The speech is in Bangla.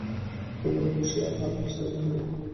তোমার অফিসে আর সেলফোনে।